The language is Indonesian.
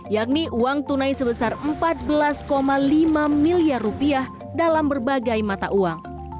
yakni uang tunai sebesar empat belas lima miliar rupiah dalam berbagai mata uang